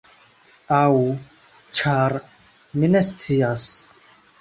Aŭ… ĉar… mi ne scias.